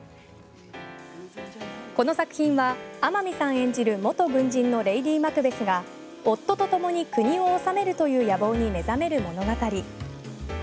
この作品は天海さん演じる元軍人のレイディマクベスが夫とともに国を治めるという野望に目覚める物語。